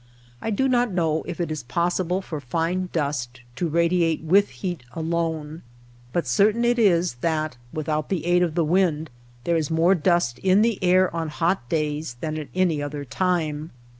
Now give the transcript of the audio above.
I do not know if it is possible for fine dust to radiate with heat alone ; but certain it is that, without the aid of the wind, there is more dust in the air on hot days than at any other time.